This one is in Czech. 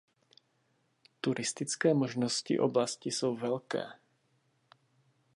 Turistické možnosti oblasti jsou velké.